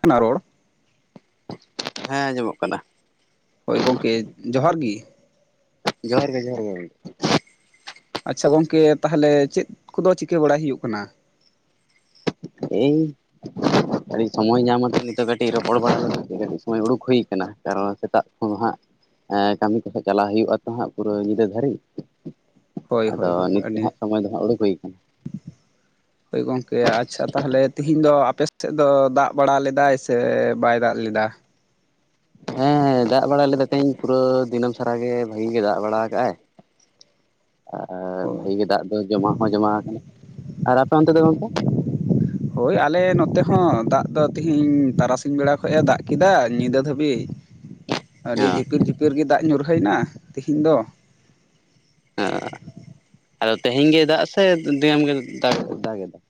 ᱠᱟᱱᱟ ᱨᱚᱲ ᱦᱮᱸ ᱟᱸᱡᱚᱢᱚᱜ ᱠᱟᱱᱟ᱾ ᱦᱳᱭ ᱜᱚᱝᱠᱮ, ᱡᱚᱦᱟᱨ ᱜᱤ ᱾ ᱡᱚᱦᱟᱨ ᱜᱮ ᱡᱚᱦᱟᱨ ᱜᱮ ᱜᱚᱝᱠᱮ ᱾ ᱟᱪᱪᱷᱟ ᱜᱚᱝᱠᱮ, ᱛᱟᱦᱞᱮ ᱪᱮᱫ ᱠᱚᱫᱚ ᱪᱤᱠᱟᱹ ᱵᱟᱲᱟ ᱦᱩᱭᱩᱜ ᱠᱟᱱᱟ? ᱤᱧ [inaudible] ᱠᱟᱹᱴᱤᱡ ᱥᱚᱢᱚᱭ ᱧᱟᱢ ᱟᱛᱮ ᱱᱤᱛᱚᱜ ᱠᱟᱹᱴᱤᱡ ᱨᱚᱯᱚᱲ ᱵᱟᱲᱟ [unintelligible] ᱠᱟᱹᱴᱤᱡ ᱥᱚᱢᱚᱭ ᱦᱩᱲᱩ ᱠᱚ ᱦᱩᱭ ᱠᱟᱱᱟ ᱾ ᱟᱨᱚ ᱥᱮᱛᱟᱜ ᱠᱷᱚᱱ ᱦᱟᱸᱜ ᱮᱸ ᱠᱟᱹᱢᱤ ᱠᱚᱛᱮ ᱪᱟᱞᱟᱣ ᱦᱩᱭᱩᱜᱼᱟ ᱛᱚ ᱦᱟᱸᱜ ᱯᱩᱨᱟᱹ ᱧᱤᱫᱟᱹ ᱫᱷᱟᱹᱨᱤᱡ ᱾ ᱦᱳᱭ ᱟᱫᱚ ᱦᱳᱭ ᱦᱳᱭ ᱱᱤᱛ ᱫᱚ ᱟᱹᱰᱤ ᱦᱟᱸᱜ ᱥᱚᱢᱚᱭ ᱫᱚ ᱦᱟᱸᱜ ᱩᱲᱩᱠ ᱦᱩᱭ ᱠᱟᱱᱟ ᱾ ᱦᱳᱭ ᱜᱚᱝᱠᱮ, ᱟᱪᱪᱷᱟ ᱛᱟᱦᱚᱞᱮ ᱛᱤᱦᱤᱧ ᱫᱚ ᱟᱯᱮ ᱥᱮᱫ ᱫᱚ ᱫᱟᱜ ᱵᱟᱲᱟ ᱞᱮᱫᱟᱭ ᱥᱮ ᱵᱟᱭ ᱫᱟᱜ ᱞᱮᱫᱟ? ᱦᱮᱸ ᱦᱮᱸ, ᱫᱟᱜ ᱵᱟᱲᱟ ᱞᱮᱫᱟ ᱛᱟᱦᱮᱸᱧ ᱯᱩᱨᱟᱹ ᱫᱤᱱᱟᱹᱢ ᱥᱟᱨᱟ ᱜᱮ ᱵᱷᱟᱜᱤ ᱜᱮ ᱫᱟᱜ ᱵᱟᱲᱟ ᱟᱠᱟᱫᱼᱟᱭ, ᱟᱨ ᱦᱳᱭ ᱵᱷᱟᱜᱤ ᱜᱮ ᱫᱟᱜ ᱫᱚ ᱡᱚᱢᱟ ᱦᱚᱸ ᱡᱚᱢᱟ ᱟᱠᱟᱱᱟ, ᱟᱨ ᱟᱯᱮ ᱚᱱᱛᱮ ᱫᱚ ᱜᱚᱝᱠᱮ? ᱦᱳᱭ ᱟᱞᱮ ᱱᱚᱛᱮ ᱦᱚᱸ ᱫᱟᱜ ᱫᱚ ᱛᱤᱦᱤᱧ ᱛᱟᱨᱟᱥᱤᱧ ᱵᱮᱲᱟ ᱠᱷᱚᱡ ᱮ ᱫᱟᱜ ᱠᱮᱫᱟ ᱧᱤᱫᱟᱹ ᱫᱷᱟᱹᱵᱤᱡ ᱾ [inaudible] ᱟᱹᱰᱤ ᱡᱷᱤᱯᱤᱨ-ᱡᱷᱤᱯᱤᱨ ᱜᱮ ᱫᱟᱜ ᱧᱩᱨ ᱦᱩᱭᱱᱟ ᱛᱮᱦᱮᱧ ᱫᱚ ᱾ ᱟ ᱟᱫᱚ ᱛᱮᱦᱮᱧ ᱜᱮ ᱫᱟᱜ ᱥᱮ ᱫᱤᱱᱟᱹᱢ ᱜᱮ ᱫᱟᱜ ᱫᱟᱜᱮ ᱫᱟᱭ?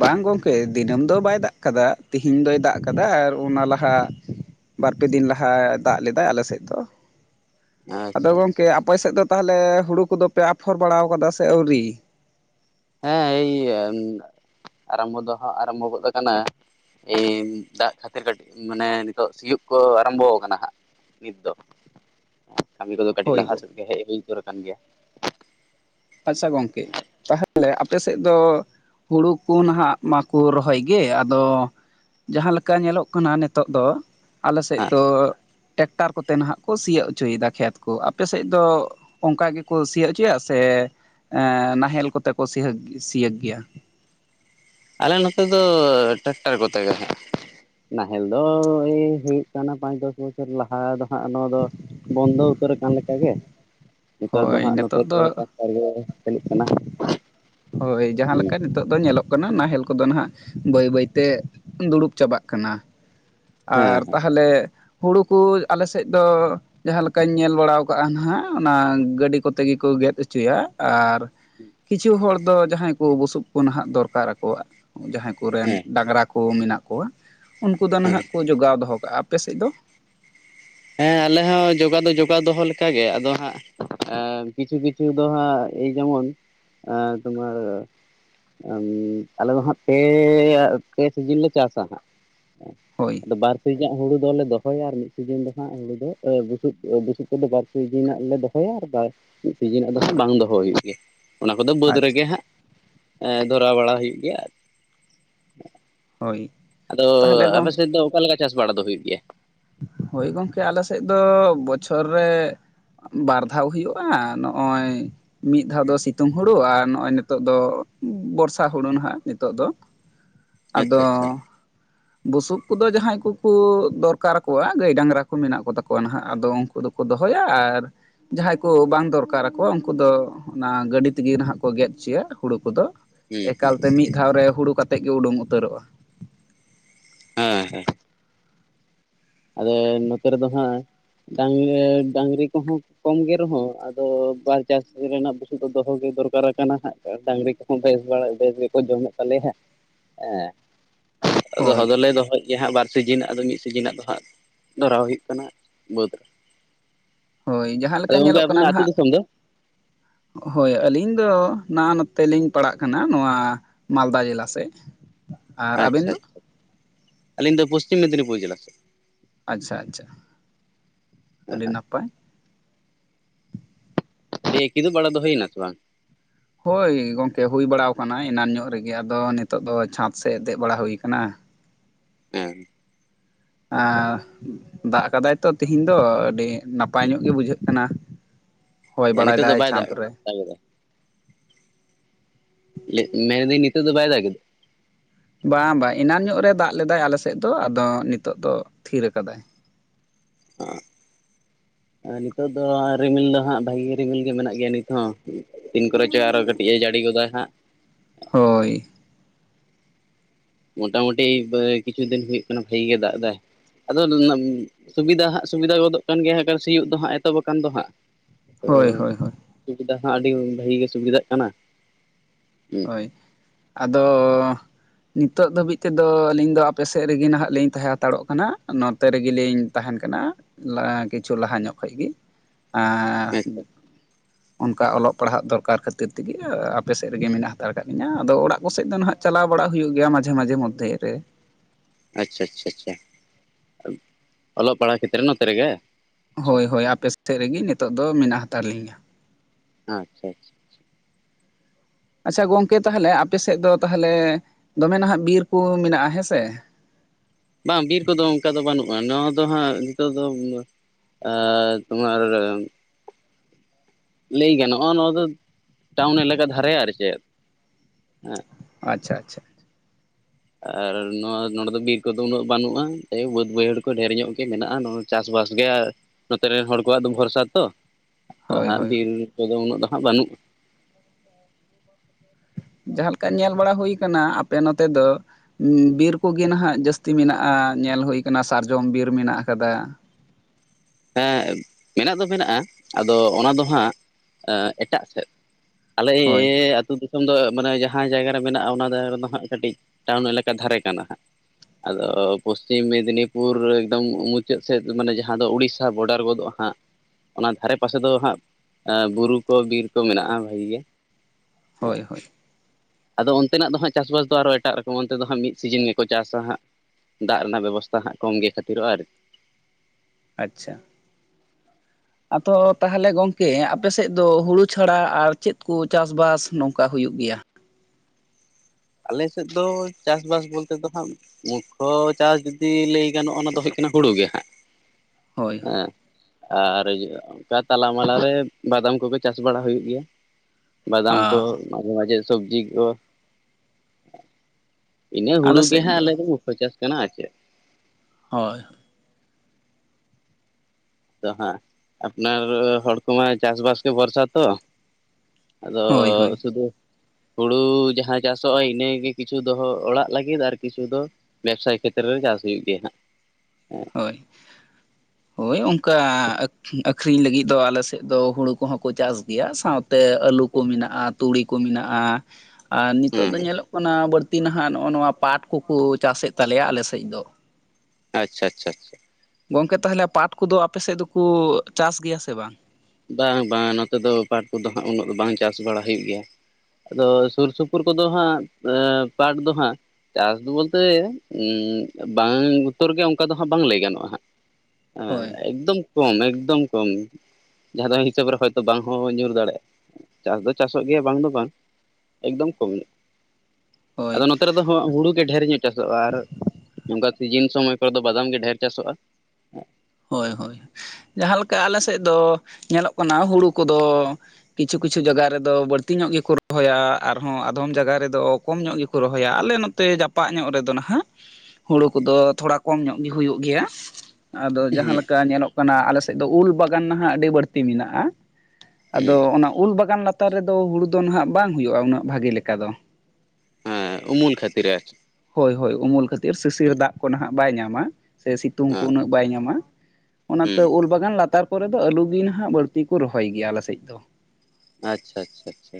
ᱵᱟᱝ ᱜᱚᱢᱠᱮ, ᱫᱤᱱᱟᱹᱢ ᱫᱚ ᱵᱟᱭ ᱫᱟᱜ ᱠᱟᱫᱟ ᱛᱮᱦᱤᱧ ᱫᱚᱭ ᱫᱟᱜ ᱟᱠᱟᱫᱟ ᱟᱨ ᱚᱱᱟ ᱞᱟᱦᱟ ᱵᱟᱨ ᱯᱮ ᱫᱤᱱ ᱞᱟᱦᱟ ᱫᱟᱜ ᱞᱮᱫᱟᱭ ᱟᱞ ᱥᱮᱫ ᱫᱚ ᱾ ᱟᱫᱚ ᱟᱪᱪᱷᱟ ᱟᱪᱪᱷᱟ ᱟᱪᱪᱷᱟ ᱜᱚᱝᱠᱮ ᱟᱯᱮ ᱥᱮᱫ ᱫᱚ ᱛᱟᱦᱚᱞᱮ ᱦᱩᱲᱩ ᱠᱚᱫᱚ ᱯᱮ ᱟᱯᱷᱚᱨ ᱵᱟᱲᱟᱣ ᱠᱟᱫᱟ ᱥᱮ ᱟᱹᱣᱨᱤ? ᱦᱮᱸ ᱮᱭ, ᱟᱨᱟᱢᱵᱷᱚ ᱫᱚ ᱦᱟᱸᱜ ᱟᱨᱟᱢᱵᱷᱚ ᱜᱚᱫ ᱠᱟᱱᱟ ᱾ ᱮᱢ ᱫᱟᱜ ᱠᱷᱟᱹᱛᱤᱨ ᱠᱟᱹᱴᱤᱡ ᱢᱟᱱᱮ ᱱᱤᱛᱚᱜ ᱥᱤᱭᱩᱜ ᱠᱚ ᱟᱨᱟᱢᱵᱷᱚ ᱟᱠᱟᱱᱟ ᱦᱟᱸᱜ, ᱱᱤᱛ ᱫᱚ ᱠᱟᱹᱢᱤ ᱠᱚᱫᱚ ᱠᱟᱹᱴᱤᱡ ᱦᱳᱭ ᱞᱟᱦᱟ ᱥᱮᱫ ᱜᱚᱝᱠᱮ ᱜᱮ ᱦᱮᱡ ᱦᱩᱭ ᱩᱛᱟᱹᱨ ᱟᱠᱟᱱ ᱜᱮᱭᱟ ᱾ ᱟᱪᱪᱷᱟ ᱜᱚᱝᱠᱮ, ᱛᱟᱦᱚᱞᱮ ᱟᱯᱮ ᱥᱮᱫ ᱫᱚ ᱦᱩᱲᱩ ᱠᱚ ᱱᱟᱦᱟᱜ ᱢᱟᱠᱚ ᱨᱚᱦᱚᱭ ᱜᱮ ᱟᱫᱚ ᱡᱟᱦᱟᱸ ᱞᱮᱠᱟ ᱧᱮᱞᱚᱜ ᱠᱟᱱᱟ ᱱᱮᱛᱚᱜ ᱫᱚ ᱟᱞᱮ ᱥᱮᱫ ᱦᱮᱸ ᱫᱚ ᱴᱮᱠᱴᱟᱨ ᱠᱚᱛᱮ ᱱᱟᱦᱟᱜ ᱠᱚ ᱥᱤᱭᱳᱜ ᱚᱪᱚᱭᱮᱫᱟ ᱠᱷᱮᱛ ᱠᱚ ᱟᱯᱮᱥᱮᱫ ᱫᱚ ᱚᱱᱠᱟ ᱜᱮᱠᱚ ᱥᱤᱭᱳᱜ ᱦᱚᱪᱚᱭᱟ ᱥᱮ ᱮᱸ ᱱᱟᱦᱮᱞ ᱠᱚᱛᱮ ᱠᱚ ᱥᱤᱦᱟᱜ ᱥᱤᱭᱳᱜ ᱜᱮᱭᱟ? ᱟᱞᱮ ᱱᱚᱛᱮ ᱫᱚ ᱴᱟᱠᱴᱟᱨ ᱠᱚᱛᱮ ᱜᱮ ᱦᱟᱸᱜ, ᱱᱟᱦᱮᱞ ᱫᱚ ᱮᱭ ᱦᱩᱭᱩᱜ ᱠᱟᱱᱟ ᱯᱟᱸᱪ ᱫᱚᱥ ᱵᱚᱪᱷᱚᱨ ᱞᱟᱦᱟ ᱫᱚ ᱦᱟᱸᱜ ᱱᱚᱣᱟ ᱫᱚ ᱵᱚᱱᱫᱚ ᱩᱛᱟᱹᱨ ᱟᱠᱟᱱ ᱞᱮᱠᱟ ᱜᱮ, ᱱᱮᱛᱟᱨ ᱫᱚ ᱦᱳᱭ ᱦᱟᱸᱜ ᱱᱚᱛᱮ ᱱᱤᱛᱚᱜ ᱫᱚ ᱴᱟᱠᱴᱟᱨ ᱜᱮ ᱪᱟᱞᱩᱜ ᱠᱟᱱᱟ ᱾ ᱦᱳᱭ ᱡᱟᱦᱟᱸ ᱞᱮᱠᱟ ᱱᱤᱛᱚᱜ ᱫᱚ ᱧᱮᱞᱚᱜ ᱠᱟᱱᱟ ᱱᱟᱦᱮᱞ ᱠᱚᱫᱚ ᱱᱟᱦᱟᱜ ᱵᱟᱹᱭ ᱵᱟᱹᱭ ᱛᱮ ᱫᱩᱲᱩᱵ ᱪᱟᱵᱟᱜ ᱠᱟᱱᱟ ᱾ ᱟᱨ ᱦᱮᱸ ᱛᱟᱦᱚᱞᱮ ᱦᱩᱲᱩ ᱠᱚ ᱟᱞᱮ ᱥᱮᱫ ᱫᱚ ᱡᱟᱦᱟᱸ ᱞᱮᱠᱟᱧ ᱧᱮᱞ ᱵᱟᱲᱟᱣ ᱠᱟ ᱦᱟᱜ ᱚᱱᱟ ᱜᱟᱹᱰᱤ ᱠᱚᱛᱮ ᱜᱮᱠᱚ ᱜᱮᱫ ᱦᱚᱪᱚᱭᱟ ᱟᱨ ᱠᱤᱪᱷᱩ ᱦᱚᱲ ᱫᱚ ᱡᱟᱦᱟᱸᱭ ᱠᱚ ᱵᱩᱥᱩᱵ ᱠᱚ ᱱᱟᱦᱟᱜ ᱫᱚᱨᱠᱟᱨ ᱟᱠᱚᱣᱟ ᱡᱟᱦᱟᱸᱭ ᱠᱚᱨᱮᱱ ᱦᱮᱸ ᱰᱟᱝᱨᱟ ᱠᱚ ᱢᱮᱱᱟᱜ ᱠᱚᱣᱟ ᱩᱱᱠᱩ ᱫᱚ ᱦᱮᱸ ᱱᱟᱦᱟᱜ ᱠᱚ ᱡᱚᱜᱟᱣ ᱫᱚᱦᱚ ᱠᱟᱜᱼᱟ ᱾ ᱟᱯᱮ ᱥᱮᱫ ᱫᱚ? ᱦᱮᱸ ᱟᱞᱮ ᱦᱚᱸ ᱡᱚᱜᱟ ᱫᱚ ᱡᱚᱜᱟᱣ ᱫᱚᱦᱚ ᱞᱮᱠᱟ ᱜᱮ ᱟᱫᱚ ᱦᱟᱸᱜ ᱠᱤᱪᱷᱩ ᱠᱤᱪᱷᱩ ᱫᱚ ᱦᱟᱸᱜ ᱮᱭ ᱡᱮᱢᱚᱱ ᱮᱭ ᱛᱳᱢᱟᱨ ᱟᱞᱮ ᱫᱚ ᱦᱟᱸᱜ ᱯᱮ ᱯᱮ ᱥᱤᱡᱤᱱ ᱞᱮ ᱪᱟᱥᱟ ᱦᱟᱸᱜ᱾ ᱦᱳᱭ᱾ ᱟᱫᱚ ᱵᱟᱨ ᱥᱤᱧᱟᱜ ᱦᱩᱲᱩ ᱫᱚᱞᱮ ᱫᱚᱦᱚᱭᱟ ᱟᱨ ᱢᱤᱫ ᱥᱤᱡᱤᱱ ᱫᱚ ᱦᱮᱸ, ᱚᱸᱰᱮ ᱫᱚ ᱮ ᱵᱩᱥᱩᱵ, ᱵᱩᱥᱩᱵ ᱠᱚᱫᱚ ᱵᱟᱨ ᱥᱤᱡᱤᱱ ᱨᱮᱱᱟᱜ ᱞᱮ ᱫᱚᱦᱚᱭᱟ ᱟᱨ ᱵᱟᱭ ᱢᱤᱫ ᱥᱤᱡᱤᱱ ᱫᱚ ᱦᱟᱸᱜ ᱵᱟᱝ ᱫᱚᱦᱚ ᱦᱩᱭᱩᱜ ᱜᱮᱭᱟ᱾ ᱚᱱᱟ ᱠᱚᱫᱚ ᱵᱟᱹᱫᱽ ᱟᱪᱪᱷᱟ ᱨᱮᱜᱮ ᱦᱟᱸᱜ ᱮᱸ ᱫᱷᱚᱨᱟᱣ ᱵᱟᱲᱟ ᱦᱩᱭᱩᱜ ᱜᱮᱭᱟ᱾ ᱦᱳᱭ᱾ ᱟᱫᱚ ᱛᱟᱦᱚᱞᱮ ᱟᱯᱮ ᱜᱚᱝ ᱥᱮᱫ ᱫᱚ ᱚᱠᱟᱞᱮᱠᱟ ᱪᱟᱥ ᱵᱟᱲᱟ ᱫᱚ ᱦᱩᱭᱩᱜ ᱜᱮᱭᱟ? ᱦᱳᱭ ᱜᱚᱝᱠᱮ ᱟᱞᱮ ᱥᱮᱫ ᱫᱚ ᱵᱚᱪᱷᱚᱨ ᱨᱮ ᱵᱟᱨ ᱫᱷᱟᱣ ᱦᱩᱭᱩᱜ-ᱟ, ᱱᱚᱜᱼᱚᱭ ᱢᱤᱫ ᱫᱷᱟᱣ ᱫᱚ ᱥᱤᱛᱩᱝ ᱦᱩᱲᱩ ᱟᱨ ᱱᱚᱜ-ᱚᱭ ᱱᱤᱛ ᱱᱤᱛᱳᱜ ᱫᱚ ᱵᱚᱨᱥᱟ ᱦᱩᱲᱩ ᱱᱟᱜ ᱱᱤᱛᱳᱜ ᱫᱚ ᱟᱫᱚ ᱟᱪᱪᱷᱟ ᱟᱪᱪᱷᱟ ᱵᱩᱥᱩᱵ ᱠᱚᱫᱚ ᱡᱟᱦᱟᱸᱭ ᱠᱚᱠᱚ ᱫᱚᱨ ᱠᱟᱨ ᱠᱚᱣᱟ ᱜᱟᱹᱭ ᱰᱟᱝᱨᱟ ᱠᱚ ᱢᱮᱱᱟᱜ ᱠᱚᱛᱟᱠᱚᱣᱟ ᱱᱟᱦᱟᱜ ᱟᱫᱚ ᱩᱜᱠᱩ ᱫᱚᱠᱚ ᱫᱚᱦᱚᱭᱟ ᱟᱨ ᱡᱟᱦᱟᱸᱭ ᱠᱚ ᱵᱟᱝ ᱫᱚᱨᱠᱟᱨᱟᱠᱚᱣᱟ ᱩᱝᱠᱩ ᱫᱚ ᱚᱱᱟ ᱜᱟᱹᱰᱤ ᱛᱮᱜᱮ ᱱᱟᱦᱟᱜ ᱠᱚ ᱜᱮᱫ ᱦᱚᱪᱚᱭᱟ ᱦᱩᱲᱩ ᱠᱚᱫᱚ᱾ ᱦᱩᱸ ᱦᱩᱸ ᱮᱠᱟᱞᱛᱮ ᱦᱩᱸ ᱢᱤᱫ ᱦᱩᱸ ᱫᱷᱟᱣ ᱨᱮ ᱦᱩᱲᱩ ᱠᱟᱛᱮᱜ ᱜᱮ ᱩᱰᱩᱝ ᱩᱛᱟᱹᱨᱚᱜ-ᱟ᱾ ᱦᱮᱸ ᱦᱮᱸ᱾ ᱟᱫᱚ ᱱᱚᱛᱮ ᱨᱮᱫᱚ ᱦᱟᱸᱜ ᱰᱟᱝ, ᱰᱟᱝᱨᱤ ᱠᱚ ᱦᱚᱸ᱾ ᱠᱚᱢ ᱜᱮ ᱨᱮᱦᱚᱸ ᱟᱫᱚ ᱵᱟᱨ ᱪᱟᱥ ᱨᱮᱱᱟᱜ ᱵᱩᱥᱩᱫ ᱫᱚ ᱫᱚᱦᱚ ᱜᱮ ᱫᱚᱨᱠᱟᱨ ᱠᱟᱱᱟ ᱦᱟᱸᱜ᱾ ᱪᱟᱥ ᱰᱟᱝᱨᱤ ᱠᱚᱦᱚᱸ ᱵᱮᱥ ᱵᱟ ᱵᱮᱥ ᱜᱮᱠᱚ ᱡᱚᱢᱮᱫ ᱛᱟᱞᱮᱭᱟ ᱦᱮᱸ᱾ ᱫᱚᱦᱚ ᱦᱳᱭ ᱫᱚᱞᱮ ᱫᱚᱦᱚᱭᱮᱫ ᱜᱮᱭᱟ ᱦᱟᱸᱜ ᱵᱟᱨ ᱥᱤᱡᱤᱱ, ᱟᱫᱚ ᱢᱤᱫ ᱥᱤᱡᱟᱱᱟᱜ ᱫᱚ ᱦᱟᱸᱜ᱾ ᱫᱷᱚᱨᱟᱣ ᱦᱩᱭᱩᱜ ᱠᱟᱱᱟ ᱵᱟᱹᱫᱽ ᱨᱮ᱾ ᱦᱳᱭ ᱡᱟᱦᱟᱸ ᱟᱫᱚ ᱞᱮᱠᱟ ᱜᱚᱝᱠᱮ ᱧᱮᱞᱚᱜ ᱠᱟᱱᱟ ᱟᱹᱵᱤᱱᱟᱜ ᱟᱹᱛᱩ ᱱᱟᱦᱟᱜ ᱫᱤᱥᱚᱢ ᱫᱚ? ᱦᱳᱭ ᱟᱹᱞᱤᱧ ᱫᱚ ᱱᱟᱜ-ᱟ ᱱᱟᱛᱮ ᱞᱤᱧ ᱯᱟᱲᱟᱜ ᱠᱟᱱᱟ ᱱᱚᱣᱟ ᱢᱟᱞᱫᱟ ᱡᱮᱞᱟ ᱥᱮᱡ᱾ ᱟᱪᱷᱟ-ᱟᱪᱷᱟ ᱟᱹᱞᱤᱧ ᱫᱚ ᱯᱚᱥᱪᱤᱢ ᱢᱮᱫᱽᱱᱤᱯᱩᱨ ᱡᱮᱞᱟ ᱠᱷᱚᱡ᱾ ᱟᱪᱷᱟ-ᱟᱪᱷᱟ ᱟᱹᱰᱤ ᱱᱟᱯᱟᱭ᱾ ᱫᱤᱭᱮ, ᱠᱤᱫᱩᱵ ᱵᱟᱲᱟ ᱫᱚ ᱦᱩᱭᱱᱟ ᱥᱮ ᱵᱟᱝ? ᱦᱳᱭ ᱜᱚᱝᱠᱮ ᱦᱩᱭ ᱵᱟᱲᱟᱣ ᱠᱟᱱᱟ ᱮᱱᱟᱱ ᱧᱚᱜ ᱨᱮᱜᱮ ᱟᱫᱚ ᱱᱤᱛᱚᱜ ᱫᱚ ᱪᱷᱟᱸᱫᱽ ᱥᱮᱫ ᱫᱮᱡ ᱵᱟᱲᱟ ᱦᱩᱭ ᱠᱟᱱᱟ᱾ ᱦᱩᱸ᱾ ᱮᱸᱻ, ᱫᱟᱜ ᱠᱟᱫᱟᱭ ᱛᱚ ᱛᱤᱦᱤᱧ ᱫᱚ ᱟᱹᱰᱤ ᱱᱟᱯᱟᱭ ᱧᱚᱜ ᱦᱮᱸ ᱜᱮ ᱵᱩᱡᱷᱟᱹᱜ ᱠᱟᱱᱟ᱾ ᱦᱚᱭ ᱵᱟᱲᱟᱭ ᱱᱤᱛᱚᱜ ᱫᱚ ᱫᱟᱭ ᱵᱟᱭ ᱪᱷᱟᱸᱛ ᱫᱟᱜ ᱨᱮ᱾ ᱫᱟᱜ ᱮᱫᱟ ᱡᱮ, ᱢᱮ‌ ᱵᱤ ᱱᱤᱛᱳᱜ ᱫᱚ ᱵᱟᱭ ᱫᱟᱜᱮᱫ-ᱟ᱾ ᱵᱟᱝ ᱵᱟᱝ ᱮᱱᱟᱱ ᱧᱚᱜ ᱨᱮ ᱫᱟᱜ ᱞᱮᱫᱟᱭ ᱟᱞᱮ ᱥᱮᱡ ᱫᱚ, ᱟᱫᱚ ᱱᱤᱛᱚᱜ ᱫᱚ ᱛᱷᱤᱨ ᱠᱟᱫᱟᱭ᱾ ᱟᱸᱜ ᱱᱤᱛᱳᱜ ᱫᱚ ᱨᱤᱢᱤᱞ ᱫᱚ ᱦᱟᱸᱜ ᱵᱷᱟᱜᱤ ᱜᱮ ᱨᱤᱢᱤᱞ ᱜᱮ ᱢᱮᱱᱟᱜ ᱜᱮᱭᱟ ᱱᱤᱛ ᱦᱚᱸ᱾ ᱛᱤᱱ ᱠᱚᱨᱮ ᱪᱚ ᱟᱨᱚ ᱠᱟᱹᱴᱤᱡ ᱮ ᱡᱟᱹᱲᱤ ᱜᱚᱫᱟᱭ ᱦᱟᱸᱜ᱾ ᱦᱳᱭ᱾ ᱢᱚᱴᱟ-ᱢᱩᱴᱤ [unintelligible] ᱠᱤᱪᱷᱩ ᱫᱤᱱ ᱦᱩᱭᱩᱜ ᱠᱟᱱᱟ ᱵᱷᱟᱜᱤ ᱜᱮ ᱫᱟᱜ ᱫᱟᱭ᱾ ᱟᱫᱚ ᱫᱤᱱᱟᱹᱢ ᱥᱩᱵᱤᱫᱟ ᱦᱟᱸᱜ ᱥᱩᱵᱤᱫᱟ ᱜᱚᱫᱚᱜ ᱠᱟᱱ ᱜᱮᱭᱟ ᱦᱟᱸᱜ, ᱪᱟᱥ ᱥᱤᱭᱳᱜ ᱫᱚ ᱦᱟᱸᱜ ᱮᱛᱚᱦᱚᱵ ᱟᱠᱟᱱ ᱫᱚ ᱦᱟᱸᱜ᱾ ᱛᱚ, ᱦᱳᱭ ᱦᱳᱭ ᱦᱳᱭ ᱚᱥᱩᱵᱤᱫᱷᱟ ᱦᱚᱸ ᱟᱹᱰᱤᱧ ᱵᱷᱟᱹᱜᱤ ᱜᱮ ᱥᱩᱵᱤᱫᱷᱟᱜ ᱠᱟᱱᱟ᱾ ᱟᱫᱚᱻ ᱱᱤᱛᱳᱜ ᱫᱷᱟᱹᱵᱤᱡ ᱛᱮᱫᱚ ᱟᱹᱞᱤᱧ ᱫᱚ ᱟᱯᱮ ᱥᱮᱫ ᱨᱮᱜᱮ ᱱᱟᱦᱟᱜ ᱞᱤᱧ ᱛᱟᱦᱮᱸ ᱦᱟᱛᱟᱲᱚᱜ ᱠᱟᱱᱟ, ᱚᱱᱟ ᱛᱮ ᱨᱮᱜᱮ ᱞᱤᱧ ᱛᱟᱦᱮᱱ ᱠᱟᱱᱟ, ᱚᱱᱟ ᱠᱤᱪᱷᱩ ᱞᱟᱦᱟ ᱧᱚᱜ ᱠᱷᱚᱡ ᱜᱮ, ᱟᱨ ᱟ, ᱟᱪᱪᱷᱟ ᱚᱱᱠᱟ ᱚᱞᱚᱜ ᱯᱟᱲᱦᱟᱜ ᱫᱚᱨᱠᱟᱨ ᱠᱷᱟᱹᱛᱤᱨ ᱛᱮᱜᱮ ᱟᱯᱮ ᱥᱮᱫ ᱨᱮᱜᱮ ᱢᱮᱱᱟᱜ ᱦᱟᱛᱟᱲ ᱠᱟᱫ ᱞᱤᱧᱟᱹ, ᱟᱫᱚ ᱚᱲᱟᱜ ᱠᱚ ᱥᱮᱫ ᱫᱚ ᱱᱟᱜ ᱪᱟᱞᱟᱣ ᱵᱟᱲᱟ ᱦᱩᱭᱩᱜ ᱜᱮᱭᱟ ᱢᱟᱡᱷᱮ ᱢᱟᱡᱷᱮ ᱢᱚᱫᱽᱫᱷᱮ ᱨᱮ᱾ ᱟᱪᱷᱟ-ᱟᱪᱷᱟ-ᱟᱪᱷᱟ, ᱚᱞᱚᱜ ᱯᱟᱲᱦᱟᱜ ᱠᱷᱟᱛᱤᱨ ᱱᱚᱛᱮ ᱨᱮᱜᱮ? ᱟᱪᱪᱷᱟ ᱦᱳᱭ ᱦᱳᱭ ᱟᱯᱮ ᱥᱮᱫ ᱨᱮᱜᱮ ᱱᱤᱛᱳᱜ ᱫᱚ ᱢᱮᱱᱟᱜ ᱦᱟᱛᱟᱲ ᱞᱤᱧᱟᱹ᱾ ᱟᱪᱪᱷᱟ ᱟᱪᱪᱷᱟ ᱾ ᱟᱪᱪᱷᱟ ᱜᱚᱝᱠᱮ ᱛᱟᱦᱚᱞᱮ ᱟᱯᱮ ᱥᱮᱫ ᱫᱚ ᱛᱟᱦᱚᱞᱮ, ᱫᱚᱢᱮ ᱱᱟᱦᱟᱜ ᱵᱤᱨ ᱠᱚ ᱢᱮᱱᱟᱜᱼᱟ ᱦᱮᱸ ᱥᱮ ᱾ ᱵᱟᱝ ᱵᱤᱨ ᱠᱚᱫᱚ ᱚᱱᱠᱟ ᱫᱚ ᱵᱟᱹᱱᱩᱜᱼᱟ, ᱱᱚᱣᱟ ᱫᱚ ᱦᱟᱸᱜ ᱱᱤᱛᱚᱜ ᱫᱚ ᱾ ᱟᱸ ᱛᱩᱢᱟᱨ [inaudible] ᱞᱟᱹᱭ ᱜᱟᱱᱚᱜᱼᱟ ᱱᱚᱣᱟ ᱫᱚ, ᱴᱟᱣᱩᱱ ᱮᱞᱟᱠᱟ ᱫᱷᱟᱨᱮ ᱟᱨ ᱪᱮᱫ, ᱦᱮᱸᱼᱼ ᱟᱪᱪᱷᱟ ᱟᱪᱪᱷᱟ ᱾ ᱟᱨ ᱱᱚᱣᱟ ᱱᱚᱸᱰᱮ ᱫᱚ ᱵᱤᱨ ᱠᱚᱫᱚ ᱩᱱᱟᱹᱜ ᱵᱟᱹᱱᱩᱜᱼᱟ, ᱛᱚ ᱵᱟᱹᱫᱽ ᱵᱟᱹᱭᱦᱟᱹᱲ ᱠᱚ ᱰᱷᱮᱨ ᱧᱚᱜ ᱜᱮ ᱢᱮᱱᱟᱜᱼᱟ ᱾ ᱪᱟᱥ ᱵᱟᱥ ᱜᱮᱭ ᱱᱚᱛᱮ ᱨᱮᱱ ᱦᱚᱲ ᱠᱚᱣᱟᱜ ᱫᱚ ᱵᱷᱚᱨᱥᱟ ᱛᱚ ᱾ ᱚ ᱦᱳᱭ ᱦᱟᱸᱜ ᱦᱳᱭ ᱵᱤᱨ ᱠᱚᱫᱚ ᱩᱱᱟᱹᱜ ᱫᱚ ᱦᱟᱸᱜ ᱵᱟᱹᱱᱩᱜ ᱾ ᱡᱟᱸᱦᱟ ᱞᱮᱠᱟ ᱧᱮᱞ ᱵᱟᱲᱟ ᱦᱩᱭ ᱟᱠᱟᱱᱟ, ᱟᱯᱮ ᱱᱚᱛᱮ ᱫᱚ ᱾ ᱵᱤᱨ ᱠᱚᱜᱮ ᱱᱟᱦᱟᱜ ᱡᱟᱹᱥᱛᱤ ᱢᱮᱱᱟᱜᱼᱟ, ᱧᱮᱞ ᱦᱩᱭ ᱠᱟᱱᱟ ᱥᱟᱨᱡᱚᱢ ᱵᱤᱨ ᱢᱮᱱᱟᱜ ᱟᱠᱟᱫᱟ ᱾ ᱦᱮᱸ ᱢᱮᱱᱟᱜ ᱫᱚ ᱢᱮᱱᱟᱜᱼᱟ, ᱟᱫᱚ ᱚᱱᱟ ᱫᱚ ᱦᱟᱸᱜ ᱮᱸᱜ ᱮᱴᱟᱜ ᱥᱮᱫ ᱾ ᱟᱞᱮ ᱦᱳᱭ ᱟᱹᱛᱩᱼᱼ ᱩᱱᱫᱚ ᱢᱟᱱᱮ ᱡᱟᱦᱟᱸ ᱡᱟᱭᱜᱟ ᱨᱮ ᱢᱮᱱᱟᱜᱼᱟ, ᱚᱱᱟ ᱡᱟᱭᱜᱟ ᱨᱮᱫᱚ ᱦᱟᱸᱜ ᱠᱟᱹᱴᱤᱡ ᱴᱟᱣᱩᱱ ᱮᱞᱟᱠᱟ ᱫᱷᱟᱨᱮ ᱠᱟᱱᱟ ᱦᱟᱸᱜ ᱾ ᱟᱫᱚ ᱯᱚᱥᱪᱤᱢ ᱢᱮᱫᱽᱱᱤᱯᱩᱨ ᱮᱠᱫᱚᱢ ᱢᱩᱪᱟᱹᱫ ᱥᱮᱫ ᱢᱟᱱᱮ ᱡᱟᱦᱟᱸ ᱫᱚ ᱩᱲᱤᱥ ᱥᱟ ᱵᱚᱰᱟᱨ ᱜᱚᱫᱚᱜ-ᱟ ᱦᱟᱸᱜ᱾ ᱚᱱᱟ ᱫᱷᱟᱨᱮ ᱯᱟᱥᱮ ᱫᱚ ᱦᱟᱸᱜ ᱮ ᱵᱩᱨᱩ ᱠᱚ ᱵᱤᱨ ᱠᱚ ᱢᱮᱱᱟᱜᱼᱟ ᱵᱷᱟᱜᱤ ᱜᱮ ᱾ ᱦᱳᱭ ᱦᱳᱭ ᱾ ᱟᱫᱚ ᱚᱱᱛᱮ ᱱᱟᱜ ᱫᱚ ᱦᱟᱸᱜ ᱪᱟᱥ-ᱵᱟᱥ ᱫᱚ ᱟᱨᱚ ᱮᱴᱟᱜ ᱨᱚᱠᱚᱢ ᱚᱱᱛᱮ ᱫᱚ ᱦᱟᱸᱜ ᱢᱤᱫ ᱥᱤᱡᱟᱹᱱ ᱜᱮᱠᱚ ᱪᱟᱥᱟ ᱦᱟᱸᱜ ᱾ ᱫᱟᱜ ᱨᱮᱱᱟᱜ ᱵᱮᱵᱚᱥᱛᱟ ᱦᱟᱸᱜ ᱠᱚᱢ ᱜᱮ ᱠᱷᱟᱹᱛᱤ ᱨᱚᱜᱼᱟᱭ ᱾ ᱟᱪᱪᱷᱟ ᱾ ᱟᱫᱚ ᱛᱟᱦᱮᱞᱮ ᱜᱚᱝᱠᱮ ᱟᱯᱮᱥᱮᱫ ᱫᱚ ᱦᱩᱲᱩ ᱪᱷᱟᱲᱟ ᱟᱨ ᱪᱮᱫ ᱠᱚ ᱪᱟᱥ-ᱵᱟᱥ ᱱᱚᱝᱠᱟ ᱦᱩᱭᱩᱜ ᱜᱮᱭᱟ? ᱟᱞᱮᱥᱮᱫ ᱫᱚ ᱪᱟᱥ-ᱵᱟᱥ ᱵᱚᱞᱛᱮ ᱫᱚ ᱦᱟᱸᱜᱼᱼ ᱢᱩᱠᱠᱷᱚ ᱪᱟᱥ ᱡᱩᱫᱤ ᱞᱟᱹᱭ ᱜᱟᱱᱚᱜᱼᱟ, ᱚᱱᱟ ᱫᱚ ᱦᱩᱭᱩᱜ ᱠᱟᱱᱟ ᱦᱩᱲᱩ ᱜᱮ ᱦᱟᱸᱜ ᱾ ᱦᱳᱭ ᱦᱮᱸ ᱟᱨ ᱤᱭᱟᱹ ᱚᱱᱠᱟ ᱛᱟᱞᱟ ᱢᱟᱞᱟ ᱨᱮ ᱵᱟᱫᱟᱢ ᱠᱚᱜᱮ ᱪᱟᱥ ᱵᱟᱲᱟ ᱦᱩᱭᱩᱜ ᱜᱮᱭᱟ ᱾ ᱵᱟᱫᱟᱢ ᱟᱻ ᱠᱚ ᱢᱟᱡᱷᱮ ᱢᱟᱡᱷᱮ ᱥᱚᱵᱽᱡᱤ ᱠᱚ ᱾ ᱤᱱᱟᱹ ᱟᱞᱮ ᱦᱩᱲᱩ ᱜᱮ ᱥᱮᱫ ᱦᱟᱸᱜ ᱟᱞᱮ ᱫᱚ ᱢᱩᱠᱠᱷᱚ ᱪᱟᱥ ᱠᱟᱱᱟ ᱟᱨ ᱪᱮᱫ ᱾ ᱦᱚᱭ ᱛᱚ ᱦᱮᱸ, ᱟᱯᱱᱟᱨ ᱦᱚᱲ ᱠᱚᱢᱟ ᱪᱟᱥ-ᱵᱟᱥ ᱜᱮ ᱵᱷᱚᱨᱥᱟ ᱛᱚ ᱾ ᱟᱫᱚ ᱦᱳᱭ ᱦᱳᱭ ᱥᱩᱫᱷᱩᱼᱼ ᱦᱩᱲᱩ ᱡᱟᱦᱟᱸ ᱪᱟᱥᱚᱜᱼᱟ ᱤᱱᱟᱹᱜᱮ ᱠᱤᱪᱷᱩ ᱫᱚᱦᱚ ᱚᱲᱟᱜ ᱞᱟᱹᱜᱤᱫ ᱟᱨ ᱠᱤᱪᱷᱩ ᱫᱚᱼᱼ ᱵᱮᱵᱽᱥᱟᱭ ᱠᱷᱟᱹᱛᱤᱨ ᱦᱚᱸ ᱪᱟᱥ ᱦᱩᱭᱩᱜ ᱜᱮᱭᱟ ᱱᱷᱟᱜ ᱦᱮᱸ ᱾ ᱦᱚᱭ ᱚᱱᱠᱟ ᱟᱹᱛᱼᱼ ᱟᱹᱠᱷᱨᱤᱧ ᱞᱟᱹᱜᱤᱫ ᱫᱚ ᱟᱞᱮᱥᱮᱫ ᱫᱚ ᱦᱩᱲᱩ ᱠᱚᱦᱚᱸ ᱠᱚ ᱪᱟᱥ ᱜᱮᱭᱟ, ᱥᱟᱶᱛᱮ ᱟᱹᱞᱩ ᱠᱚ ᱢᱮᱱᱟᱜᱼᱟ, ᱼᱼ ᱛᱩᱲᱤ ᱠᱚ ᱢᱮᱱᱟᱜᱼᱟ ᱾ ᱟᱨ ᱱᱤᱛᱚᱜ ᱫᱚ ᱦᱮᱸ ᱦᱮᱸ ᱧᱮᱞᱚᱜ ᱠᱟᱱᱟ ᱵᱟᱹᱲᱛᱤ ᱱᱟᱦᱟᱜ ᱱᱚᱜᱼᱱᱚᱣᱟ ᱯᱟᱴ ᱠᱚᱠᱚ ᱪᱟᱥᱮᱫ ᱛᱟᱞᱮᱭᱟ ᱟᱞᱮᱥᱮᱡ ᱫᱚ ᱾ ᱟᱪᱪᱷᱟ ᱟᱪᱪᱷᱟ ᱾ ᱜᱚᱝᱠᱮ ᱛᱟᱦᱞᱮ ᱯᱟᱴ ᱠᱚᱫᱚ ᱟᱯᱮ ᱥᱮᱫ ᱫᱚᱠᱚ ᱪᱟᱥ ᱜᱮᱭᱟ ᱥᱮ ᱵᱟᱝ? ᱵᱟᱝ ᱵᱟᱝ ᱱᱚᱛᱮ ᱫᱚ ᱯᱟᱴ ᱠᱚᱫᱚ ᱦᱟᱸᱜ ᱩᱱᱟᱹᱜ ᱫᱚ ᱵᱟᱝ ᱪᱟᱥ ᱵᱟᱲᱟ ᱦᱩᱭᱩᱜ ᱜᱮᱭᱟ ᱾ ᱟᱫᱚ ᱥᱩᱨ ᱥᱩᱯᱩᱨ ᱠᱚᱫᱚ ᱦᱟᱸᱜ ᱟᱹ ᱯᱟᱴ ᱫᱚ ᱦᱟᱸᱜᱼᱼ ᱪᱟᱥ ᱫᱚ ᱵᱚᱞᱛᱮ ᱩᱸ ᱵᱟᱝ ᱩᱛᱟᱹᱨ ᱜᱮ ᱚᱝᱠᱟ ᱫᱚ ᱦᱟᱸᱜ ᱵᱟᱝ ᱞᱟᱹᱭ ᱜᱟᱱᱚᱜᱼᱟ ᱦᱟᱸᱜ ᱾ ᱦᱮᱸ ᱦᱳᱭ ᱮᱠᱫᱚᱢ ᱠᱚᱢ, ᱮᱠᱫᱚᱢ ᱠᱚᱢ ᱾ ᱡᱟᱦᱟᱸ ᱫᱚ ᱦᱤᱥᱟᱹᱵᱽ ᱨᱮ ᱦᱚᱭᱛᱚ ᱵᱟᱝ ᱦᱚᱸ ᱧᱩᱨ ᱫᱟᱲᱮᱭᱟᱜᱼᱟ, ᱪᱟᱥ ᱫᱚ ᱪᱟᱥᱚᱜ ᱜᱮᱭᱟ ᱵᱟᱝ ᱫᱚ ᱵᱟᱝ ᱾ ᱮᱠᱫᱚᱢ ᱠᱚᱢ ᱧᱚᱜ, ᱟᱫᱚ ᱦᱳᱭ ᱱᱚᱛᱮ ᱨᱮᱫᱚ ᱦᱟᱸᱜ ᱦᱩᱲᱩᱼᱼ ᱜᱮ ᱰᱷᱮᱨ ᱧᱚᱜ ᱪᱟᱥᱚᱜᱼᱟ ᱟᱨ, ᱱᱚᱝᱠᱟ ᱥᱤᱡᱤᱱ ᱥᱚᱢᱚᱭ ᱠᱚᱨᱮ ᱫᱚ ᱵᱟᱫᱟᱢ ᱜᱮ ᱰᱷᱮᱨ ᱪᱟᱥᱚᱜᱼᱟ ᱾ ᱦᱚᱭ ᱦᱚᱭ ᱡᱟᱸᱦᱟᱸ ᱞᱮᱠᱟ ᱟᱞᱮ ᱥᱮᱫ ᱫᱚ ᱧᱮᱞᱚᱜ ᱠᱟᱱᱟ ᱦᱩᱲᱩ ᱠᱚᱫᱚ, ᱠᱤᱪᱷᱩ ᱠᱤᱪᱷᱩ ᱡᱟᱜᱟ ᱨᱮᱫᱚ ᱵᱟᱹᱲᱛᱤ ᱧᱚᱜ ᱜᱮᱠᱚ ᱨᱚᱦᱚᱭᱟ, ᱟᱨᱦᱚᱸ ᱟᱫᱷᱚᱢ ᱡᱟᱜᱟ ᱨᱮᱫᱚ ᱠᱚᱢ ᱧᱚᱜ ᱜᱮᱠᱚ ᱨᱚᱦᱚᱭᱟ ᱟᱞᱮ ᱱᱚᱛ ᱛᱮ ᱡᱟᱯᱟᱜ ᱧᱚᱜ ᱨᱮᱫᱚ ᱦᱟᱜ [inaudible] ᱦᱩᱲᱩ ᱠᱚᱫᱚ ᱛᱷᱚᱲᱟ ᱠᱚᱢ ᱧᱚᱜ ᱜᱮ ᱦᱩᱭᱩᱜ ᱜᱮᱭᱟ᱾ ᱟᱫᱚ ᱡᱟᱦᱟᱸ ᱦᱮᱸ ᱞᱮᱠᱟ ᱧᱮᱞᱚᱜ ᱠᱟᱱᱟ ᱟᱞᱮ ᱥᱮᱫ ᱫᱚ ᱩᱞ ᱵᱟᱜᱟᱱ ᱱᱷᱟᱜ ᱟᱹᱰᱤ ᱵᱟᱹᱲᱛᱤ ᱢᱤᱱᱟᱜᱼᱟ᱾ ᱟᱫᱚ ᱦᱮᱸ ᱚᱱᱟ ᱩᱞ ᱵᱟᱜᱟᱱ ᱞᱟᱛᱟᱨ ᱨᱮᱫᱚ ᱦᱩᱲᱩ ᱫᱚ ᱱᱷᱟᱜ ᱵᱟᱝ ᱦᱩᱭᱩᱜᱼᱟ ᱩᱱᱟᱹᱜ ᱵᱷᱟᱹᱜᱤ ᱞᱮᱠᱟ ᱫᱚ᱾ ᱦᱮᱸ ᱩᱢᱩᱞ ᱠᱷᱟᱹᱛᱤᱨ ᱟᱨᱠᱤ᱾ ᱦᱚᱭ ᱦᱚᱭ ᱩᱢᱩᱞ ᱠᱷᱟᱹᱛᱤᱨ ᱥᱤᱥᱤᱨ ᱦᱮᱸ ᱫᱟᱜ ᱠᱚ ᱱᱷᱟᱜ ᱵᱟᱭ ᱧᱟᱢᱟ ᱥᱮ ᱥᱤᱛᱩᱝ ᱠᱚ ᱦᱮᱸ ᱩᱱᱟᱹᱜ ᱵᱟᱭ ᱧᱟᱢᱟ ᱚᱱᱟ ᱛᱮ ᱦᱮᱸ ᱩᱞ ᱵᱟᱜᱟᱱ ᱞᱟᱛᱟᱨ ᱠᱚᱨᱮ ᱫᱚ ᱟᱹᱞᱩ ᱜᱮ ᱱᱷᱟᱜ ᱵᱟᱹᱲᱛᱤ ᱠᱚ ᱨᱚᱦᱚᱭ ᱜᱮᱭᱟ ᱟᱞᱮ ᱥᱮᱫ ᱫᱚ᱾ ᱟᱪᱪᱷᱟ ᱟᱪᱪᱷᱟ ᱟᱪᱪᱷᱟ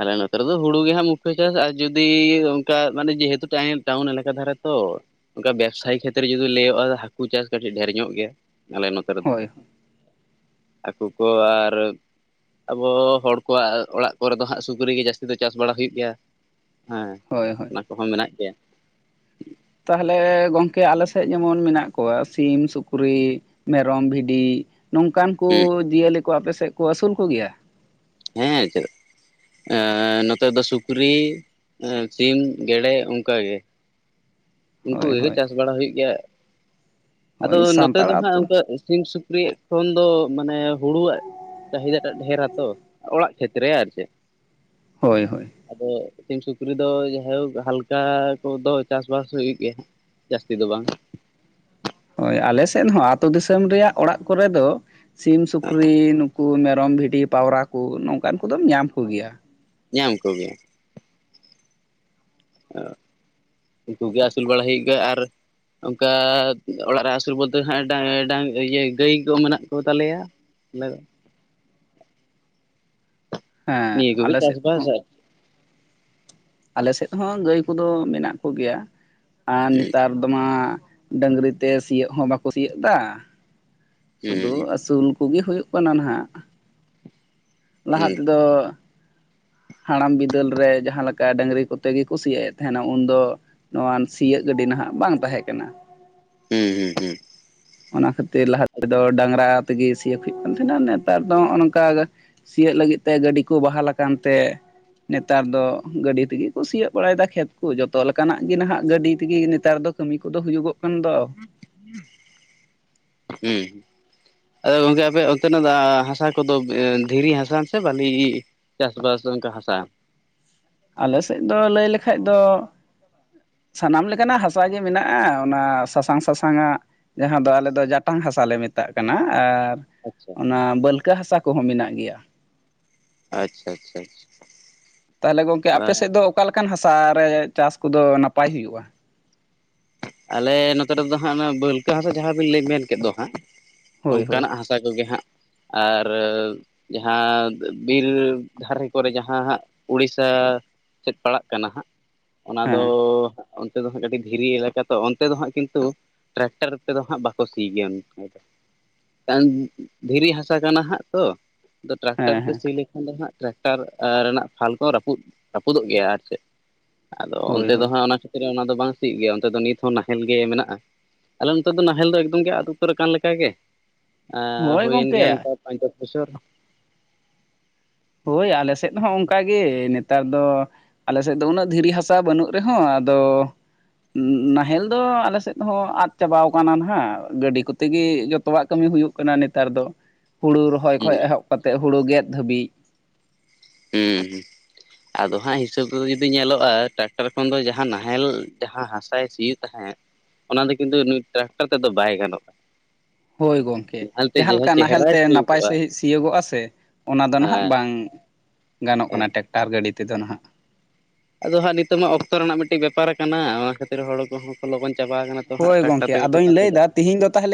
ᱟᱞᱮ ᱱᱚᱛᱮ ᱨᱮᱫᱚ ᱦᱩᱲᱩ ᱜᱮ ᱦᱟᱸᱜ ᱢᱩᱠᱠᱷᱚ ᱪᱟᱥ ᱟᱨ ᱡᱩᱫᱤ ᱚᱝᱠᱟ ᱢᱟᱱᱮ ᱡᱮᱦᱮᱛᱩ ᱴᱟᱭᱤᱢ ᱴᱟᱣᱩᱱ ᱤᱞᱟᱠᱟ ᱫᱷᱟᱨᱟ ᱛᱚ᱾ ᱚᱝᱠᱟ ᱵᱮᱵᱽᱥᱟᱭ ᱠᱷᱟᱹᱛᱤᱨ ᱡᱩᱫᱤ ᱞᱟᱹᱭᱚᱜᱼᱟ ᱦᱟᱹᱠᱩ ᱪᱟᱥ ᱠᱟᱹᱴᱤᱡ ᱰᱷᱮᱨ ᱧᱚᱜ ᱜᱮᱭᱟ ᱟᱞᱮ ᱱᱚᱛᱮ ᱨᱮᱫᱚ᱾ ᱦᱳᱭ ᱦᱟᱹᱠᱩ ᱠᱚ ᱟᱨ ᱟᱵᱚ ᱦᱚᱲ ᱠᱚᱣᱟᱜ ᱚᱲᱟᱜ ᱠᱚᱨᱮ ᱫᱚ᱾ ᱦᱟᱸᱜ ᱥᱩᱠᱨᱤ ᱜᱮ ᱡᱟᱹᱥᱛᱤ ᱫᱚ ᱪᱟᱥ ᱵᱟᱲᱟ ᱦᱩᱭᱩᱜ ᱜᱮᱭᱟ ᱦᱮᱸ᱾ ᱦᱚᱭ ᱦᱚᱭ ᱚᱱᱟ ᱠᱚᱦᱚᱸ ᱢᱮᱱᱟᱜ ᱜᱮᱭᱟ᱾ ᱛᱟᱦᱮᱞᱮ ᱜᱚᱝᱠᱮ ᱟᱞᱮ ᱥᱮᱜ ᱡᱮᱢᱚᱱ ᱢᱮᱱᱟᱜ ᱠᱚᱣᱟ ᱥᱤᱢ-ᱥᱩᱠᱨᱤ, ᱢᱮᱨᱚᱢ, ᱵᱷᱤᱰᱤ ᱱᱚᱝᱠᱟᱱ ᱠᱚ ᱦᱩᱸ ᱡᱤᱭᱟᱹᱞᱤ ᱠᱚ ᱟᱯᱮᱥᱮᱜ ᱠᱚ ᱟᱹᱥᱩᱞ ᱠᱚᱜᱮᱭᱟ? ᱦᱮᱸ ᱪᱮᱫᱟᱜ ᱮᱸ ᱱᱚᱛᱮ ᱫᱚ ᱥᱩᱠᱨᱤ, ᱥᱤᱢ, ᱜᱮᱰᱮ ᱚᱝᱠᱟ ᱜᱮ᱾ ᱩᱝᱠᱩ ᱦᱳᱭ ᱠᱚᱜᱮ ᱦᱳᱭ ᱪᱟᱥ ᱵᱟᱲᱟ ᱦᱩᱭᱩᱜ ᱜᱮᱭᱟ᱾ ᱟᱫᱚ ᱳᱭ ᱱᱚᱛᱮ ᱥᱟᱱᱛᱟᱲ ᱫᱚ ᱦᱟᱸᱜ ᱟᱹᱛᱩ ᱚᱱᱠᱟ ᱥᱤᱢ ᱥᱩᱠᱨᱤ ᱠᱷᱚᱱ ᱫᱚ ᱢᱟᱱᱮ ᱦᱩᱲᱩᱣᱟᱜ ᱪᱟᱹᱦᱤᱫᱟ ᱴᱟᱜ ᱰᱷᱮᱨ ᱟᱛᱚ ᱚᱲᱟᱜ ᱠᱷᱮᱛᱨᱮ ᱟᱨ ᱪᱮᱫ᱾ ᱦᱳᱭ ᱦᱳᱭ ᱟᱫᱚ ᱥᱤᱢ ᱥᱩᱠᱨᱤ ᱫᱚ ᱡᱟᱭᱦᱳᱠ ᱦᱟᱞᱠᱟ ᱠᱚᱫᱚ ᱪᱟᱥᱵᱟᱥ ᱦᱩᱭᱩᱜ ᱜᱮ ᱡᱟᱹᱥᱛᱤ ᱫᱚ ᱵᱟᱝ᱾ ᱦᱳᱭ ᱟᱞᱮ ᱥᱮᱱ ᱦᱚᱸ ᱟᱹᱛᱩ ᱫᱤᱥᱚᱢ ᱨᱮᱭᱟᱜ ᱚᱲᱟᱜ ᱠᱚᱨᱮ ᱫᱚ, ᱥᱤᱢ, ᱥᱩᱠᱨᱤ ᱱᱩᱠᱩ ᱢᱮᱨᱚᱢ, ᱵᱷᱤᱰᱤ ᱯᱟᱣᱨᱟ ᱠᱚ ᱱᱚᱝᱠᱟᱱ ᱠᱚᱫᱚᱢ ᱧᱟᱢ ᱠᱚᱜᱮᱭᱟ᱾ ᱧᱟᱢ ᱠᱚᱜᱮᱭᱟ᱾ ᱩᱱᱠᱩ ᱜᱮ ᱟᱹᱥᱩᱞ ᱵᱟᱲᱟ ᱦᱩᱭᱩᱜ ᱜᱮᱭᱟ ᱟᱨ ᱚᱱᱠᱟ ᱚᱲᱟᱜ ᱨᱮ ᱟᱹᱥᱩᱞ ᱵᱚᱞᱛᱮ ᱰᱟ ᱰᱟ ᱤᱭᱟᱹ ᱜᱟᱹᱭ ᱠᱚ ᱢᱮᱱᱟᱜ ᱠᱚ ᱛᱟᱞᱮᱭᱟ᱾ [unintelligible] ᱦᱮᱸ ᱱᱤᱭᱟᱹ ᱠᱚ ᱜᱮ ᱟᱞᱮ ᱥᱮᱫ ᱪᱟᱥᱵᱟᱥ ᱦᱚᱸ [unintelligible] ᱟᱞᱮ ᱥᱮᱫ ᱦᱚᱸ ᱜᱟᱹᱭ ᱠᱚᱫᱚ ᱢᱮᱱᱟᱜ ᱠᱚᱜᱮᱭᱟ ᱟᱨ ᱱᱮᱛᱟᱨ ᱫᱚᱢᱟ ᱰᱟᱹᱟᱝᱨᱤ ᱛᱮ ᱥᱤᱭᱳᱜ ᱦᱚᱸ ᱵᱟᱠᱚ ᱥᱤᱭᱳᱜ ᱮᱫᱟ᱾ ᱥᱩᱫᱷᱩ ᱦᱩᱸ ᱟᱹᱥᱩᱞ ᱠᱚᱜᱮ ᱦᱩᱭᱩᱜ ᱠᱟᱱᱟ ᱱᱟᱦᱟᱜ᱾ ᱞᱟᱦᱟ ᱦᱩᱸ ᱛᱮᱫᱚ ᱦᱟᱲᱟᱢ ᱵᱤᱫᱟᱹᱞ ᱨᱮ ᱡᱟᱦᱟᱸ ᱞᱮᱠᱟ ᱰᱟᱹᱝᱨᱤ ᱠᱚᱛᱮ ᱜᱮ ᱠᱚ ᱥᱤᱭᱮᱫ ᱛᱟᱦᱮᱱᱟ ᱩᱱᱫᱚ᱾ ᱱᱚᱣᱟ ᱥᱤᱭᱳᱜ ᱜᱟᱹᱰᱤ ᱱᱟᱦᱟᱜ ᱵᱟᱝ ᱛᱟᱦᱮᱸ ᱠᱟᱱᱟ᱾ ᱦᱩᱸ ᱦᱩᱸ ᱦᱩᱸ ᱚᱱᱟ ᱠᱷᱟᱹᱛᱤᱨ ᱞᱟᱦᱟ ᱛᱮᱫᱚ ᱰᱟᱝᱨᱟ ᱛᱮᱜᱮ ᱥᱤᱭᱩᱜ ᱦᱩᱭᱩᱜ ᱠᱟᱱ ᱛᱟᱦᱮᱱᱟ ᱱᱮᱛᱟᱨ ᱫᱚ ᱦᱚᱸ ᱱᱚᱝᱠᱟ ᱥᱤᱭᱳᱜ ᱞᱟᱹᱜᱤᱫ ᱛᱮ ᱜᱟᱹᱰᱤ ᱠᱚ ᱵᱟᱦᱟᱞ ᱟᱠᱟᱱ ᱛᱮ ᱱᱮᱛᱟᱨ ᱫᱚ ᱜᱟᱹᱰᱤ ᱛᱮᱜᱮ ᱠᱚ ᱥᱤᱭᱳᱜ ᱵᱟᱲᱟᱭᱫᱟ ᱠᱷᱮᱛ ᱠᱚ ᱡᱚᱛᱚ ᱞᱮᱠᱟᱱᱟᱜ ᱜᱮ ᱱᱟᱦᱟᱜ ᱜᱟᱹᱰᱤ ᱛᱮᱜᱮ ᱱᱮᱛᱟᱨ ᱫᱚ ᱠᱟᱹᱢᱤ ᱠᱚᱫᱚ ᱦᱩᱭᱩᱜᱚᱜ ᱠᱟᱱ ᱫᱚ᱾ [inaudible] ᱦᱩᱸ, ᱟᱫᱚ ᱜᱚᱝᱠᱮ ᱟᱯᱮ ᱚᱱᱛᱮᱱᱟᱜ ᱫᱚ ᱦᱟᱥᱟ ᱠᱚᱫᱚ ᱫᱷᱤᱨᱤ ᱦᱟᱥᱟ ᱥᱮ ᱵᱟᱹᱞᱤ? ᱪᱟᱥᱵᱟᱥ ᱫᱚ ᱚᱱᱠᱟ ᱦᱟᱥᱟ᱾ ᱟᱞᱮ ᱥᱮᱫ ᱫᱚ ᱞᱟᱹᱭ ᱞᱮᱠᱷᱟᱡ ᱫᱚ, ᱥᱟᱱᱟᱢ ᱞᱮᱠᱟᱱᱟᱜ ᱦᱟᱥᱟ ᱜᱮ ᱢᱮᱱᱟᱜᱼᱟ ᱚᱱᱟ ᱥᱟᱥᱟᱝ ᱥᱟᱥᱟᱝ ᱟᱜ᱾ ᱡᱟᱦᱟᱸ ᱫᱚ ᱟᱞᱮ ᱫᱚ ᱡᱟᱴᱟᱝ ᱦᱟᱥᱟᱞᱮ ᱢᱮᱛᱟᱜ ᱠᱟᱱᱟ ᱟᱨ, ᱟᱪᱪᱷᱟ ᱚᱱᱟ ᱵᱟᱹᱞᱠᱟᱹ ᱦᱟᱥᱟ ᱠᱚᱦᱚᱸ ᱢᱮᱱᱟᱜ ᱜᱮᱭᱟ᱾ ᱟᱪᱪᱷᱟ ᱟᱪᱪᱷᱟ [inaudible] ᱟᱷᱟ᱾ ᱛᱟᱦᱚᱞᱮ ᱜᱚᱝᱠᱮ ᱟᱯᱮ ᱥᱮᱫ ᱫᱚ ᱚᱠᱟᱞᱮᱠᱟᱱ ᱦᱟᱥᱟ ᱨᱮ ᱪᱟᱥ ᱠᱚᱫᱚ ᱱᱟᱯᱟᱭ ᱦᱩᱭᱩᱜᱼᱟ᱾ ᱟᱞᱮ ᱱᱚᱛᱮ ᱨᱮᱫᱚ ᱦᱟᱸᱜ ᱚᱱᱟ ᱵᱟᱹᱞᱠᱟᱹ ᱦᱟᱥᱟ ᱡᱟᱦᱟᱸᱵᱤᱱ ᱞᱟᱹᱭ ᱢᱮᱱ ᱠᱮᱫ ᱫᱚ ᱦᱟᱸᱜ ᱦᱳᱭ ᱦᱳᱭ ᱚᱱᱠᱟᱱᱟᱜ ᱦᱟᱥ ᱦᱟᱥᱟ ᱠᱚᱜᱮ ᱦᱟᱸᱜ ᱟᱨ, ᱡᱟᱦᱟᱸ ᱵᱤᱨ ᱫᱷᱟᱨᱮ ᱠᱚᱨᱮ ᱡᱟᱦᱟᱸ ᱦᱟᱸᱜ ᱩᱲᱤᱥᱥᱟ ᱥᱮᱫ ᱯᱟᱲᱟᱜ ᱠᱟᱱᱟ ᱦᱟᱸᱜ ᱚᱱᱟ ᱫᱚ ᱦᱮᱸ ᱚᱱᱛᱮ ᱫᱚ ᱦᱟᱸᱜ ᱠᱟᱹᱴᱤᱡ ᱫᱷᱤᱨᱤ ᱮᱞᱟᱠᱟ, ᱛᱚ ᱚᱱᱛᱮ ᱫᱚ ᱦᱟᱸᱜ ᱠᱤᱱᱛᱩ ᱴᱨᱟᱠᱴᱟᱨ ᱛᱮᱫᱚ ᱦᱟᱸᱜ ᱵᱟᱠᱚ ᱥᱤ ᱜᱮᱭᱟ ᱢᱮᱱ ᱫᱚ, ᱠᱟᱨᱚᱱ ᱫᱷᱤᱨᱤ ᱦᱟᱥᱟ ᱠᱟᱱᱟ ᱦᱟᱸᱜ ᱛᱚ ᱴᱨᱟᱠᱴᱟᱨ ᱦᱮᱸ ᱦᱮᱸ ᱛᱮ ᱥᱤᱞᱮ ᱠᱷᱟᱱ ᱫᱚ ᱦᱟᱸᱜ ᱴᱨᱟᱠᱴᱟᱨ ᱨᱮᱱᱟᱜ ᱯᱷᱟᱞ ᱠᱚ ᱨᱟᱹᱯᱩᱫ ᱨᱟᱹᱯᱩᱫᱚᱜ ᱜᱮᱭᱟ ᱟᱨ ᱪᱮᱫ᱾ ᱟᱫᱚ ᱦᱳᱭ ᱚᱱᱛᱮ ᱫᱚ ᱦᱳᱭ ᱦᱟᱸᱜ ᱚᱱᱟ ᱠᱷᱟᱹᱛᱤᱨ ᱚᱱᱟ ᱫᱚ ᱵᱟᱝ ᱥᱤᱜ ᱜᱮᱭᱟ ᱚᱱᱛᱮ ᱫᱚ ᱱᱤᱛ ᱱᱟᱦᱮᱞ ᱜᱮ ᱢᱮᱱᱟᱜᱼᱟ᱾ ᱟᱞᱮ ᱱᱚᱛᱮ ᱫᱚ ᱱᱟᱦᱮᱞ ᱫᱚ ᱮᱠᱫᱚᱢ ᱜᱮ ᱟᱫ ᱩᱛᱟᱹᱨ ᱠᱟᱱ ᱞᱮᱠᱟᱜ ᱜᱮ᱾ ᱟᱨ ᱦᱳᱭ ᱦᱩᱭᱮᱱ ᱜᱮᱭᱟ ᱜᱚᱝᱠᱮ ᱚᱱᱠᱟ ᱯᱟᱸᱪ ᱫᱚᱥ ᱵᱚᱪᱷᱚᱨ᱾ ᱦᱳᱭ ᱟᱞᱮ ᱥᱮᱫ ᱦᱚᱸ ᱚᱱᱠᱟ ᱜᱮ ᱱᱮᱛᱟᱨ ᱫᱚ, ᱟᱞᱮ ᱥᱮᱫ ᱫᱚ ᱩᱱᱟᱹᱜ ᱫᱷᱤᱨᱤ ᱦᱟᱥᱟ ᱵᱟᱹᱱᱩᱜ ᱨᱮᱦᱚᱸ ᱟᱫᱚ, ᱱᱟᱦᱮᱞ ᱫᱚ ᱟᱞᱮᱥᱮᱫ ᱦᱚᱸ ᱟᱫ ᱪᱟᱵᱟ ᱠᱟᱱᱟ ᱱᱟᱜ ᱜᱟᱹᱰᱤ ᱠᱚ, ᱛᱮᱜᱮ ᱡᱚᱛᱚᱼᱟ ᱠᱟᱹᱢᱤ ᱦᱩᱭᱩᱜ ᱠᱟᱱᱟ ᱱᱮᱛᱟᱨ ᱫᱚ ᱦᱩᱲᱩ ᱨᱚᱦᱚᱭ ᱠᱷᱚᱡ ᱦᱩᱸ ᱮᱦᱚᱵ ᱠᱟᱛᱮᱫ ᱦᱳᱲᱳ ᱜᱮᱫ ᱫᱷᱟᱹᱵᱤᱡ᱾ ᱦᱩᱸ ᱦᱩᱸ᱾ ᱟᱫᱚ ᱦᱟᱸᱜ ᱦᱤᱥᱟᱹᱵ ᱨᱮᱫᱚ ᱡᱩᱫᱤ ᱧᱮᱞᱚᱜᱼᱟ ᱴᱨᱟᱠᱴᱟᱨ ᱠᱷᱚᱱ ᱫᱚ ᱡᱟᱦᱟᱸ ᱱᱟᱦᱮᱞ ᱡᱟᱦᱟᱸ ᱦᱟᱥᱟᱭ ᱥᱤᱭᱮᱫ ᱛᱟᱦᱮᱸᱫ? ᱚᱱᱟ ᱫᱚ ᱠᱤᱱᱛᱩ ᱱᱩᱭ ᱴᱨᱟᱠᱴᱟᱨ ᱛᱮᱫᱚ ᱵᱟᱭ ᱜᱟᱱᱚᱜᱼᱟ᱾ ᱦᱳᱭ ᱜᱚᱝᱠᱮ ᱱᱟᱦᱮᱞᱛᱮ ᱡᱟᱦᱟᱸ ᱞᱮᱠᱟ ᱱᱟᱦᱮᱞ ᱪᱮᱦᱨᱟᱭ ᱛᱮ ᱱᱟᱯᱟᱭ ᱥᱤᱭᱳᱜᱚᱜᱼᱟ ᱥᱟᱺᱦᱤᱡ ᱥᱤᱭᱳᱜᱚᱜᱼᱟ ᱥᱮ? ᱚᱱᱟ ᱫᱚ ᱱᱟᱦᱟᱜ ᱦᱮᱸ ᱵᱟᱝ ᱜᱟᱱᱚᱜ ᱦᱮᱸ ᱠᱟᱱᱟ ᱴᱮᱠᱴᱟᱨ ᱜᱟᱹᱰᱤ ᱛᱮᱫᱚ ᱱᱟᱦᱟᱜ᱾ ᱟᱫᱚ ᱦᱟᱸᱜ ᱱᱤᱛᱚᱜ ᱢᱟ ᱚᱠᱛᱚ ᱨᱮᱱᱟᱜ ᱢᱤᱫᱴᱤᱡ ᱵᱮᱯᱟᱨ ᱠᱟᱱᱟ ᱚᱱᱟ ᱠᱷᱟᱹᱛᱤᱨ ᱦᱚᱲ ᱠᱚᱦᱚᱸ ᱠᱚ ᱞᱚᱜᱚᱱ ᱪᱟᱵᱟ ᱠᱟᱱᱟ᱾ ᱛᱚ ᱦᱟᱸᱜ ᱦᱳᱭ ᱴᱨᱟᱠᱴᱟᱨ ᱜᱚᱝᱠᱮ ᱛᱮᱜᱮ ᱠᱚ ᱟᱫᱚᱧ ᱠᱟᱹᱢᱤᱭᱮᱫᱟ ᱞᱟᱹᱭᱫᱟ ᱛᱤᱦᱤᱧ ᱫᱚ, ᱛᱟᱦᱚᱞᱮ